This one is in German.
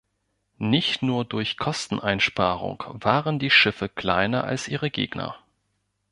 Nicht nur durch Kosteneinsparung waren die Schiffe kleiner als ihre Gegner.